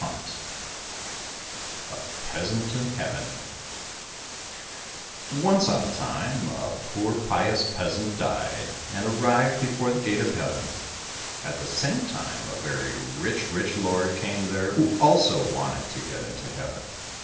167 The Peasant in Heaven Once on a time a poor pious peasant died, and arrived before the gate of heaven. At the same time a very rich, rich lord came there who also wanted to get into heaven.